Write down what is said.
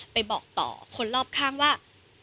ไปบอกต่อคนรอบข้างว่า